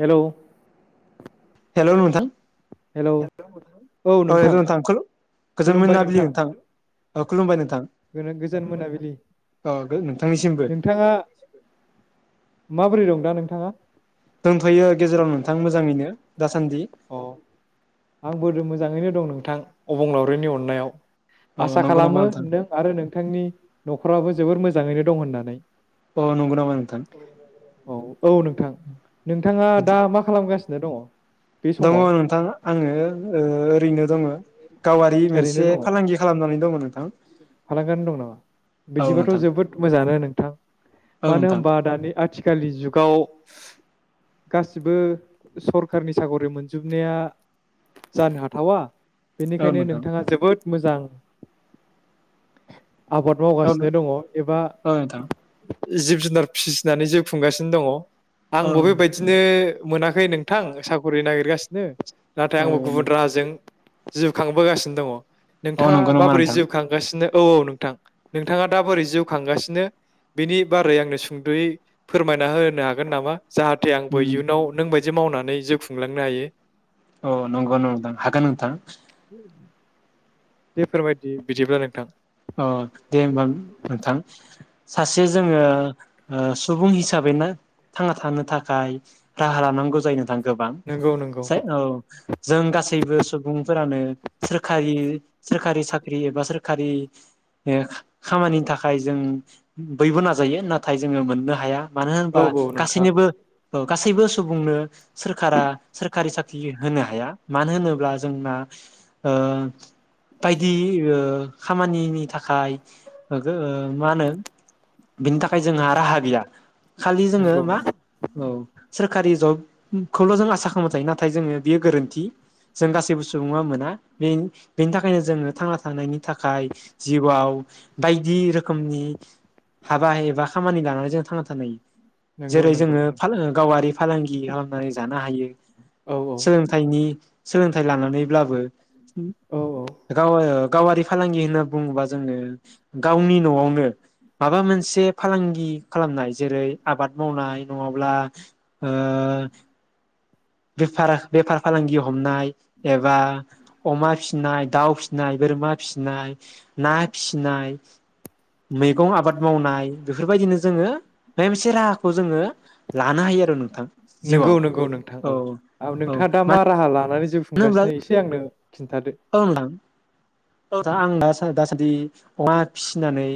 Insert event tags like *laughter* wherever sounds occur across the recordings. हेल' hello नोंथां। क्षक्षंज्ञ hello औ' हेलौ नोंथां, खुलु गोजोन मोनाबिलि नोंथां औ खुलुमबाय नोंथां गोनो- गोजोन मोनाबिलि औ मनोंथांनिसिमबो नोंथाङा माबोरै दं दा नोंथाङा दंथ'यो गेजेराव नोंथां मोजाङैनो‌। दासान्दि आं बोरो मोजाङैनो दं नोंथां अबंलावरिनि अननायाव अ आसा नंगौ नामा खालामो नोंथां नों आरो नोंथांनि न'खर नखराबो जोबोर मोजाङैनो दं होननानै अ नंगौ नामा नोंथां। औ औ नोंथां। नोंथाङा बिदि दा मा खालामगासिनो? नो दङ बे दङ समाव नोंथां आं आङो ओरैनो दङ गावारि मोनसे फालांगि खालामनानै दंमोन नों फालांगारि दं नामा औ बिदिबाथ' नोंथां जोबोद मोजाङानो नोंथां औ मानो नोंथां होनबा दानि आथिखाल आथिखालि जुगाव गासिबो सरखारनि साख'रि मोनजोबनाया जानो हाथावा औ बेनिखायनो नोंथां नोंथाङा जोबोद मोजां आबाद औ मावगासिनो दङ एबा नोंथां जिब जुनार फिसिनानै जिउ खुंगासिनो दङ औ आंबो बेेबायदिनो मोनाखै नोंथां साख'रि नागिरगासिनो नाथाय औ आंबो गुबुन राहाजों जिउ खांबोगासिनो दङ। औ नोंथाङा नंगौ नामा माबोरै नोंथां जिउखां थिनो औ औ नोंथां नोंथाङा दा बोरै जिउ खांगासिनो बेनि बारै आंनो सुंद'यै फोरमायना होनो हागोन नामा? जाहाथे आंबो इयुनाव नोंबाय मावनानै जिउ खुंलांनो हायो अ नंगौ नामा नोथां हागोन नोंथां। *inaudible* बेेफोरबायदि बिदिब्ला नोंथां अ दे होमबा नोंथां सासे जोङो ओ सुबुं हिसाबैना थांना थानो थाखाय राहा लानांगौ जायो नोंथां। गोबां नंगौ नंगौ जाय औ जों गासैबो सुबुंफोरानो सोरखारि सोरखारि साख्रि एब बा सोरखारि ओ खामानिनि थाखाय जों बयबो नाजायो नाथाय जोङो मोननो हाया मानो औ होनबा नोंथां गासैनिबो औ गासैबो सुबुंनो सोरखारा सोरखारि साख्रि होनो हाया मानो होनोब्ला जोंना ओ बायदि ओ खामानिनि थाखाय गो मा होनो बिनि थाखाय जोंहा राहा गैया खालि जोङो नंगौ मा नंगौ औ सोरखारि जबखौल' जों आसा खालामबाय थायो नाथाय जोङो बेयो गोरोन्थि जों गासैबो सुबुङा मोना बे बेनि थाखायनो जोङो थांना थानायनि थाख खाय जिउआव बायदि रोखोमनि हाबा एबा खामानि लानानै जों थांना थानो हायो। नंगौ जेरै नंगौ जोङो फा नोंथां गावारि फालांगि खालामनानै जानो हायो औ औ सोलोंथाइनि सोलों थाइ लानानैब्लाबो औ औ गाव ओ गावारि होनना बुङोबा जोङो गावनि न'आवनो माबा मोनसे फालांगि खालामनाय जेरै आबाद मावनाय नङाब्ला ओ बेफारा बेफार फालांगि हमनाय एबा अमा फिनाय दाउ फिनाय बोरमा फिसिनाय ना फिसिनाय मैगं आबाद मावनाय बेफोरबायदिनो जोङो बे मोनसे राहाखौ जोङो लानो हायो आरो नोंथां नंगौ जिउआव नंगौ नोंथां औ औ नोंथाङा दा मा राहा लानानै जिउ होनोब्ला खुंगासिनो एसे आंनो खिन्थादो *unintelligible* दासादि अमा फिसिनानै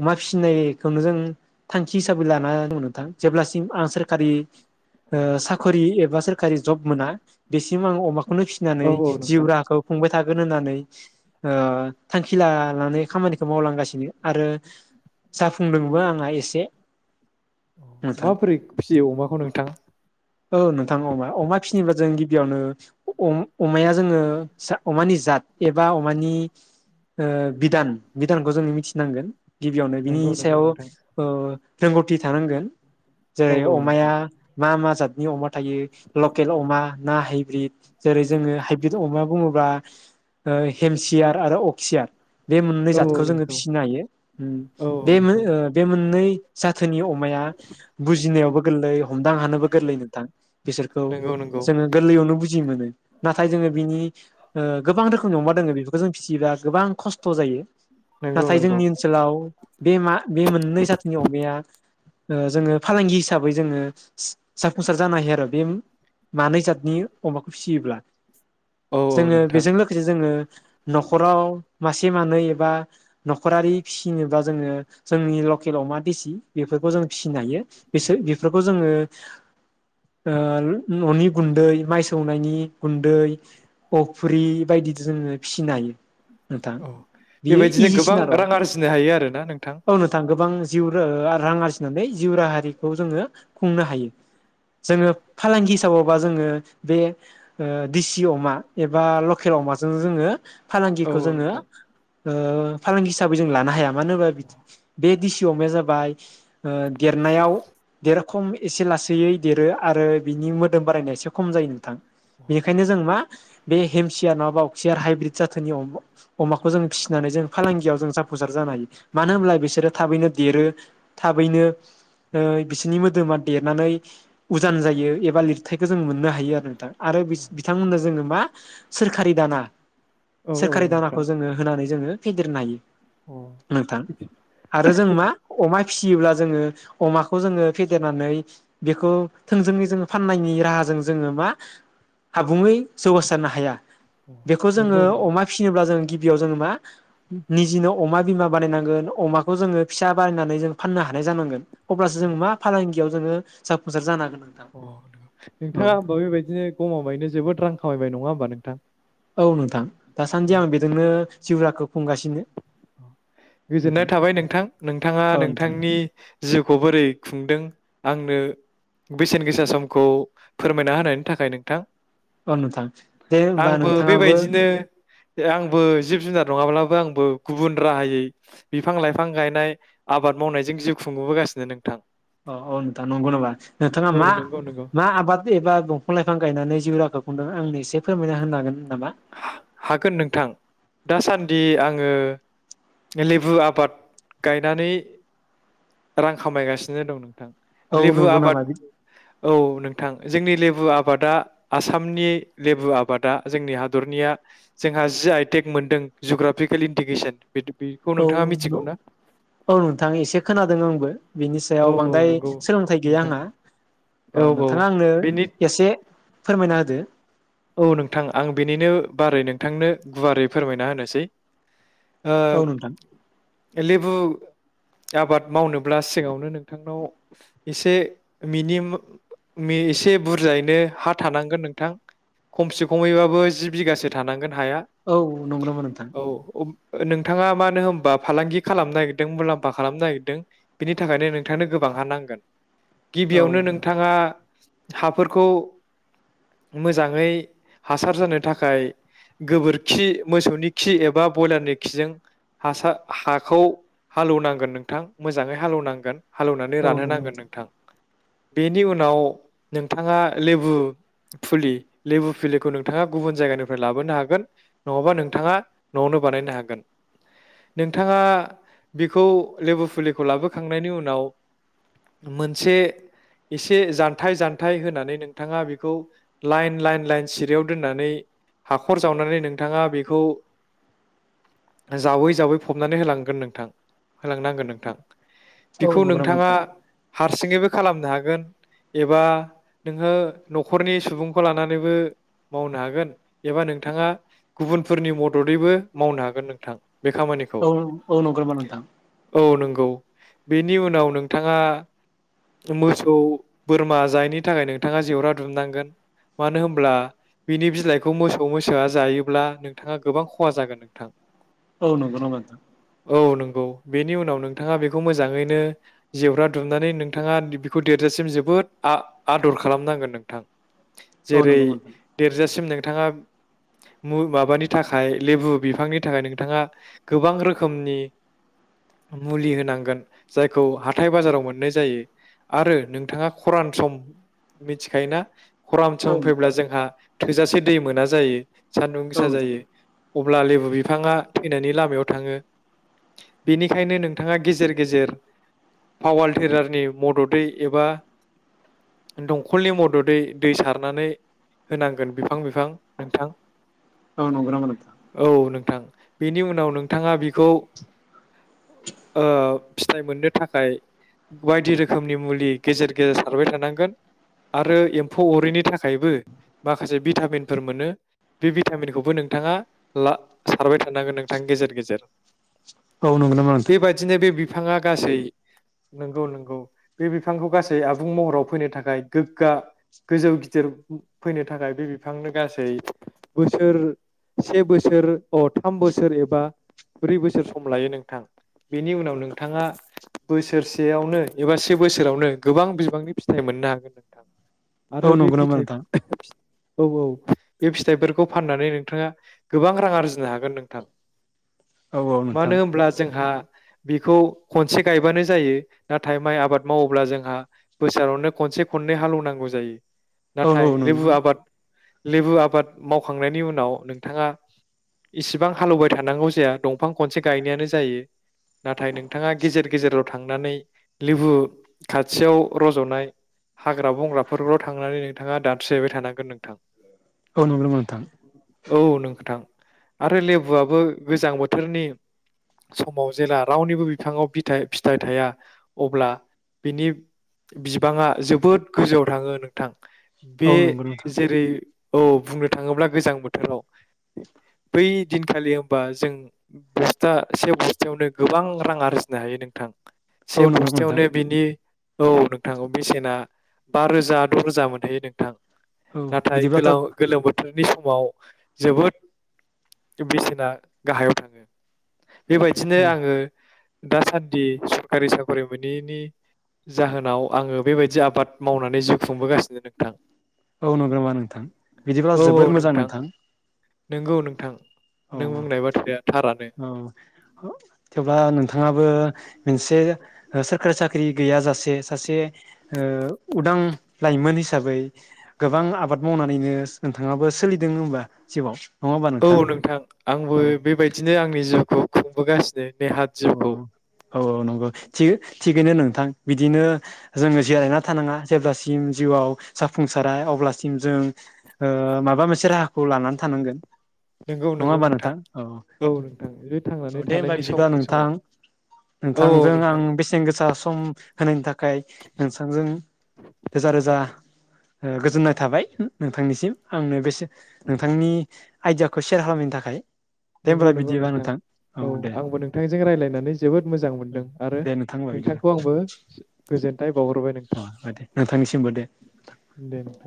अमा फिसिनायखौनो जों थांखि हिसाबै लानानैथां जेब्लासिम आं सोरखारि औ साखरि एबा सोरखारि जब मोना बेसिम आं अमा नो फिसिनानै औ जिउ नोंथां राहाखौ खुंबाय थाग होगोन होननानै ओ थांखि लानानै खामानिखौ मावलांगासिनो आरो जाफुंदोंबो आंहा एसे नोंथां माबोरै फियो अमाखौ नोंथां औ नों थां अमा अमा फिनोबा जों बेयावनो अमाया जोङो अमानि जात एबा अमानि बिधान बिधानखौ जोङो मिथिनांगोन गिबियावनो बिनि नंगौ नंगौ सायाव नोंथां ओ रोंगौथि थानांगोन। औ जेरै औ नोंथां अमाया मा मा जादों *inaudible* नि अमा थायो लकेल अमा ना हाइब्रिद। जेरै जोङो हाइब्रिद अमा बुङोब्ला हेमसियार आरो अक्सियार। बे मोननै औ औ जादखौ जोङो नोंगौ फिसिनो हायो औ औ बे नोंथां बे मोननै जाथोनि अमाया बुजिनायावबो गोरलै हमदां हानोबो गोरलै नो बिसोरखौ नंगौ नंगौ जोङो गोरलैयावनो बुजि मोनो नाथाय जोङो नि। *unintelligible* गोबां रोखोमनि अमा दङो बेखौ जों फिसियोर *unintelligible* गोबां खस्थ' जायो। नंगौ नाथाय नंगौ जोंनि ओनसोलाव बे मा बे मोननै जाथिनि अमाया जोङो फालांगि हिसाबै जोङो सफंसार जानो हायो आरो बे मानै जाथ *unintelligible* नि अमाखौ फिसियोब्ला औ औ जोङो नोंथां बेजों लोगोसे जोङो न'खराव मासे मानै एबा न'खरारि फिसिनोबा जोङो जोंनि लकेल अमा देसि बेफोरखौ जों फिसिनो हायो। औ बिसोर बेफोरखौ जोङो द *inaudible* ं *inaudible* न'नि गुन्दै माइ। सौनायनि गुन्दै। अफुरि बायदि जोङो फिसिनोहायो। औ बेबायदिनो गोबां रां आरजिनो हायो आरोना नोंथां। औ गोबां जिउ र रां आरजिनानै जिउ राहारिखौ जोङो खुंनो हायो। जोङो फालांगि हिसाबावबा जोङो बे ओ देसि अमा एबा लकेल अमाजों जोङो। औ फालांगिखौ औ जोङो। नोंथां ओ फालांगि हिसाबै जों लानो हायाम। मानो होनोबा बि दिसि। म जाबाय ओ देरनायाव देरखम एसे लासैयै। देरो आरो बिनि मोदोम बारायनाय एसे खम जायो नोंथां। बेनिखायनो जों मा। बे हेमसिया नङाबा अक्सियार हाइब्रिद जाथोनि अमा अमाखौ जों फिसिनानै जों फालांगियाव जों जाफुंसार जानो हायो। मानो होनब्ला बिसोरो। थाबैनो देरो थाबैनो ओ बिसोरनि मोदोमा देरनानै। उजान जायो एबा लिरथायखौ जों मोननो हा हायो आरो नोंथां आरो बि बिथांमोननो जोङो मा सोरखारि दाना। औ औ सोरखारि नोंथां दानाखौ जोङो होनानै जोङो। फेदेरनाय अ नोंथां आरो जों मा अमाय फिसियोब्ला जोङो अमाखौ जोङो फेदेरनानै बेखौ। थोंजोङै जोङो फाननायनि राहाजों जोङो मा आबुङै जौगासारनो हाया। अ बेखौ जोङो नंगौ नंगौ अमा फिसिनोब्ला जों गि गिबियाव जोङो मा निजिनो अमा बिमा बानायनांगोन अमाखौ जोङो फिसा बानायनानै जों फाननो हानाय जानांगोन। अब्लासो जों मा फालांगि बियाव जोङो साफुंसार जानांग अ नोंथाङा होमबा बेबायदिनो गमामायैनो जोबोद रां खामायबाय नङा होमबा नों थां औ नोंथां दासान्दि आं बेजोंनो जिउराखौ। खुंगासिनो। औ गोजोननाय नोंथां थाबाय नोंथां नोंथाङा औ नोंथां नोंथांनि जिउखौ बोरै खुंदों। आंनो बेसेन गोसा समखौ फोरमायना होनायनि थाखाय नोंथां। औ नोंथां दे होमबा नोंथाङाबो। ए आंबो जिब जुनार नङाब्लाबो आंबो गुबुन राहायै बिफां लाइफां गायनाय आबाद मावनायजों जिउ खुंबोबोगासिनो नोंथां। औ औ नोंथां नंगौ नामा नोंथाङा औ नंगौ नंगौ मा-मा आबाद एबा दंफां लाइफां गायनानै जिउ राखौ। हमदों आंनो एसे फोरमायना होनो हागोन नामा। हागोन नोंथां दासान्दि आङो लेबु आबाद गायनानै रां खामायगासिनो दं नोंथां। औ लेबु नंगौ आबाद नामा औ नों थां जोंनि लेबु आबादा आसामनि लेबु आबादा जोंनि हा हादरनिया जोंहा जि आइ टेक मोनदों जुग्राफिकेिल इन्डिकेसन बेखौ औ नोंथाङा मिथिगौ ना औ नोंथां एसे खोनादों आंबो बेनि औ सायाव औ बांद्राय नंगौ सोलोंथाइ गैया नोंथां आंहा औ नोंथाङा आंनो एसे फोरमायना होदो औ नोंथां आं बेनिनो बारै नोंथांनो गुवारै फोरमायना होनोसै ओ औ नोंथां लेबु आबाद मावनोब्ला सिगाङावनो नोंथांनाव एसे मिनि एसे बुरजायैनो हा थानांगोन नोंथां खमसे खमैबाबो जि बिघासो थानांगोन हाया औ नंगौ नामा नोंथां औ अब- नोंथाङा मानो होनबा फालांगि खालामनो नागिरदों मुलाम्फा खालामनो नागिरदों बिनि थाखायनो नोंथांनो गोबां हा नांगोन औ गिबियावनो नोंथाङा हाफोरखौ मोजां मोजाङै हासार जानो थाखाय गोबोरखि मोसौनि खि एबा ब्रयलारनि खिजों हासार हाखौ हालौवनांगोन नोंथां मोजाङै हालौवनांगोन हालौवनानै औ रानहो नंगौ नांगोन नोंथां बेनि उनाव नोंथाङा लेबु फुलि लेबु फुलिखौ नोंथाङा गुबुन जायगानिफ्राय लाबोनो हागोन नङाबा नोंथाङा न'आवनो बानायनो हागोन नोंथाङा बेखौ लेबु फुलिखौ लाबोखांनायनि उनाव मोनसे एसे जान्थाय जान्थाय होनानै नोंथाङा बेखौ लाइन लाइन लाइन सिरियाव दोननानै हाखर जावनानै नोंथाङा बेखौ जावै जावै फबनानै होलांगोन नोंथां होलांनांगोन नोंथां औ बेखौ नंगौ नामा नोंथाङा नोंथां हारसिङैबो खालामनो हागोन एबा नोङो न'खरनि सुबुं खौ लानानैबो मावनो हागोन एबा नोंथाङा गुबुनफोरनि मददैबो मावनो हागोन नोंथां बे खामानिखौ औ औ नंगौ नामा नोंथां औ नंगौ गौ बेनि उनाव नोंथाङा मोसौ बोरमा जायिनि थाखाय नोंथाङा जेवरा दुमनांगोन मानो होनब्ला बिनि बिलाइखौ मोसौ मोसोआ जायोब्ला नोंथाङा गोबां खहा जागोन नोंथां औ नंगौ नामा नोंथां औ नंगौ बेनि उनाव नोंथाङा बेखौ मोजाङैनो जिउरा दुमनानै नोंथाङा बेखौ देरजासिम जोबोद आ आदर खालामनांगोन नोंथां औ नंगौ जेरै नामा नोंथां देरजासिम नों नोंथाङा माबानि थाखाय लेबु बिफांनि थाखाय नोंथाङा गोबां रोखोमनि मुलि होनांगोन जायखौ हाथाय बाजाराव मोननाय जायो आरो नोंथाङा खरान सम मिथिखायोना खरान औ सम नोंथां फैब्ला जोंहा थोजासे दै मोना जायो सान्दुं औ गोसा नोंथां जायो अब्ला लेबु बिफाङा थैनायनि लामायाव थाङो बेनिखायनो नोंथाङा गेजेर गेजेर पावार टिलारनि मददै एबा दंखलनि मददै दै सारनानै होनांगोन बिफां बिफां नोंथां अ नंगौ नामा नोंथां थां बेनि उनाव नोंथाङा बि खौ ओ फिथाइ मोननो थाखाय बायदि रोखोमनि मुलि गेजेर गेजेर सारबाय थानांगोन आरो एम्फ एम्फौ अरैनि थाखायबो माखासे भिटामिनफोर मोनो बे भिटामिनखौबो नोंथाङा ला सारबाय थानांगोन नोंथां गेजेर गेजेर औ नंगौ नामा नोंथां फाङा गासै नंगौ नंगौ बे बिफांखौ गासै आबुं महराव फैनो थाखाय गोग्गा गोजौ गिदिर फैनो थाखाय बे बिफांनो गासै बोसोर से बोसोर अ थाम बोसोर एबा ब्रै बोसोर सम लायो नोंथां बेनि उनाव नोंथाङा बोसोरसेयावनो एबा से बोसोरावनो गोबां बिबांनि फिथाइ मोननो हागोन नोंथां औ आरो बे नंगौ नामा फिथाइ नोंथां औ औ बे फिथाइफोरखौ फाननानै नोंथाङा गोबां रां आरजिनो हागोन नोंथां औ औ नोंथां मानो होनब्ला जोंहा बेखौ खनसे गायबानो जायो नाथाय माइ आबाद मावोब्ला जोंहा बोसोरावनो खनसे खननै हालौनांगौ जायो औ औ नाथाय लेबु नंगौ आबाद लेबु आबाद मावखांनायनि उनाव नोंथाङा इसिबां हालेवबाय थानांगौ जाया दंफां खनसे गायनायानो जायो नाथाय नोंथाङा गेजेर गेजेरद थांनानै लेबु खाथियाव रज'नाय हाग्रा बंग्रा फोरग्र थांनानै नोंथाङा दानस्रिहैबाय थानांगोन नोंथां औ नंगौ नामा नोंथां? औ नोंथां आरो लेबुआबो गोजां बोथोरनि समाव जेला रावनिबो बिथाङाव बिथाय फिथाइ थाया अब्ला बिनि बिबाङा जोबोद गोजौ थाङो नोंथां। औ बे नंगौ नोंथां जेरै औ बुंनो थाङोब्ला गोजां बोथोराव बै दिनखालि होनबा जों बस्था से बस्थायावनो गोबां रां आरजिनो हायो नोंथां। औ से नंगौ नामा नोंथां बस्थायावनो बेनि औ नोंथां औ बेसेना बा रोजा द' रोजा मोनहोयो नोंथां। औ नाथाय बिदिब्लाथ' गोलाव गोलोम बोथोर नि समाव जोबोद ओ बेसेना गाहायाव थाङो। बेबायदिनो औ आङो दासान्दि सरखारि साकरि मोनैनि जाहोनाव आङो बेबायदि आबाद मावनानै जिउ खुंबोगासिनो नोंथां। औ नंगौ नामा नोंथां? बिदिब्ला जोबोर मोजां नोंथां। नोंगौ नोंथां। औ नों बुंनाय बाथ्राया थारानो अ औ ओ थेवब्ला नोंथाङाबो मोनसे ओ सोरखारि साख्रि गैयाजासे सासे ओ उदां लाइमोन हिसाबै गोबां आबाद मावनानैनोस नोंथाङाबो सोलिदों होनबा जिउआव। नङा होमबा नोंथां? थां आंबो औ बेबायदिनो आंनि जिउखौ खुंबो गासि औ अ औ अ नंगौ। थियो थिगैनो नोंथां बिदिनो जोङो जिरायना थानाङा जेब्लासिम जिउआव जाफुंसारा अब्लासिम जों ओ माबा मोनसे राहाखौ लानानै थानांगोन। नोंगौ नोंगौ नोंथां औ नोंथां बे थांनानै थानायनि सम समाव थां औ औ नोंथांजों आं नोंथां बेसेन गोसा सम होनायनि थाख खाय नोंथांजों रोजा रोजा ओ गोजोननाय थाबाय नोंथांनिसिम आंनो बेसेन नोंथांनि आइडियाखो सेयार खालामनायनि थाखाय दे नोंगौ होमब्ला नोंगौ बिदिबा नोंथां औ दे आंबो नोंथांजों थों रायलायनानै जोबोद मोजां मोनदों आरो दे नोंथां होमबा बिदिब्ला नोंथांखौ आंबो गोजोन्थों। अ दे नोंथांनिसिमबो दे। दे नोंथां